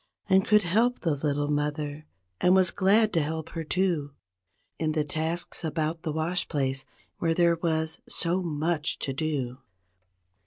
And could help the little mother and was glad to help her, too. In the tasks about the wash place where there was so much to do.